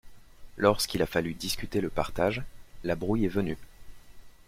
Lorsqu'il a fallu discuter le partage, la brouille est venue.